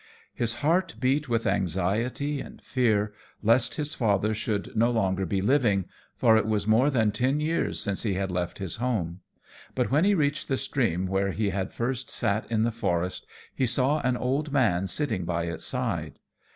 His heart beat with anxiety and fear, lest his father should no longer be living, for it was more than ten years since he had left his home; but when he reached the stream where he had first sat in the forest he saw an old man sitting by its side.